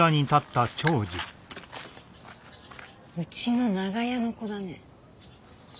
うちの長屋の子だね。